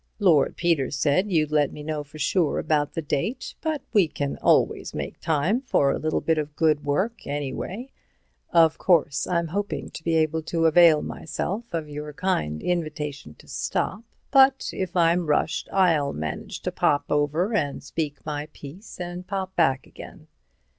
"Lord Peter said you'd let me know for sure about the date, but we can always make time for a little bit of good work anyway. Of course I'm hoping to be able to avail myself of your kind invitation to stop, but if I'm rushed, I'll manage anyhow to pop over and speak my piece and pop back again."